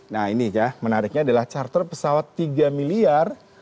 nah ini ya menariknya adalah charter pesawat tiga miliar